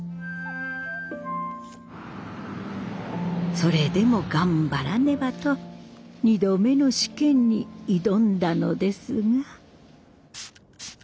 それでも頑張らねばと２度目の試験に挑んだのですが。